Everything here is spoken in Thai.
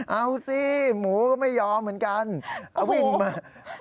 เอาสิหมูก็ไม่ยอมเหมือนกันเอาวิ่งมา